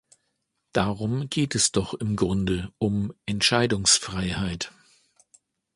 Darum geht es doch im Grunde – um Entscheidungsfreiheit.